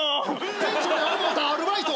店長や思うたらアルバイト。